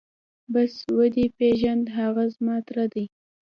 بس ودې پېژاند هغه زما تره دى.